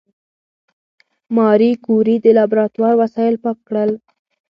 ماري کوري د لابراتوار وسایل پاک کړل.